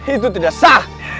itu tidak sah